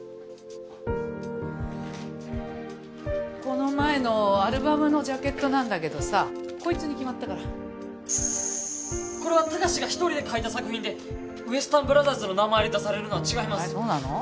この前のアルバムのジャケットなんだけどさこいつに決まったからこれはタカシが１人で描いた作品でウエスタンブラザーズの名前で出されるのは違いますそうなの？